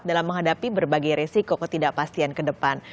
dalam menghadapi berbagai resiko ketidakpastian ke depan